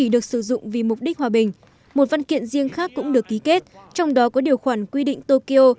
mục đích hòa bình một văn kiện riêng khác cũng được ký kết trong đó có điều khoản quy định tokyo